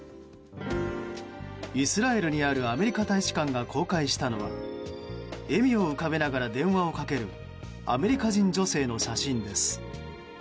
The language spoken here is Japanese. イスラエルにあるアメリカ大使館が公開したのは笑みを浮かべながら電話をかけるアメリカ人女性の写真です。